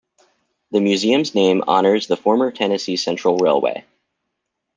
The museum's name honors the former Tennessee Central Railway.